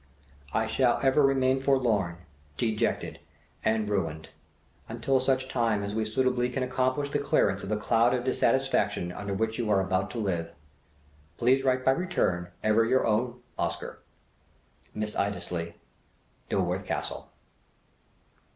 "I shall ever remain forlorn, dejected, and ruined until such time as we suitably can accomplish the clearance of the cloud of dissatisfaction under which you are about to live. Please write by return. "Ever your own "OSCAR. "Miss Iddesleigh, Dilworth Castle."